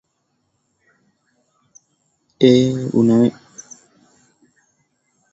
ee unaweza ukatafsiri kwa namna tofauti